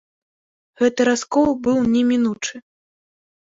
Гэты раскол быў немінучы.